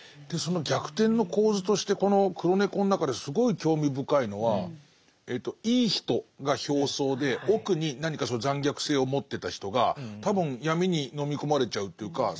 でその逆転の構図としてこの「黒猫」の中ですごい興味深いのはいい人が表層で奥に何かその残虐性を持ってた人が多分闇に飲み込まれちゃうというか